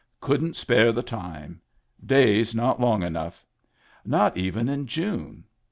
Couldn't spare the time. Days not long enough. Not even in June.